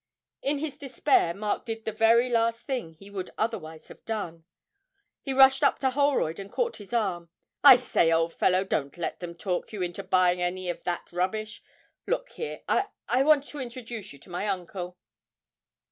In his despair Mark did the very last thing he would otherwise have done he rushed up to Holroyd and caught his arm. 'I say, old fellow, don't let them talk you into buying any of that rubbish. Look here, I I want to introduce you to my uncle!'